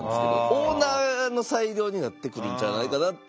オーナーの裁量になってくるんじゃないかなって。